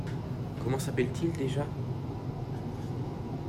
Comment s’appelle-t-il déjà ?